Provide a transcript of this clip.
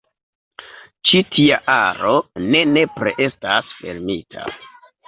Ĉi tia aro ne nepre estas fermita.